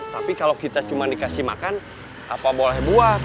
tapi kalau kita cuma dikasih makan apa boleh buat